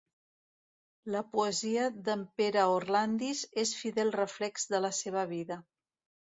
La poesia d'en Pere Orlandis és fidel reflex de la seva vida.